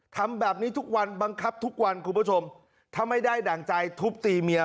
ทำแบบนี้ทุกวันบังคับทุกวันคุณผู้ชมถ้าไม่ได้ดั่งใจทุบตีเมีย